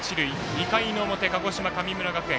２回の表、鹿児島、神村学園。